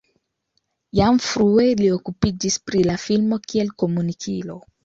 Jam frue li okupiĝis pri la filmo kiel komunikilo.